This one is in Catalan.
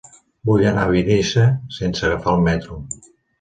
Vull anar a Benissa sense agafar el metro.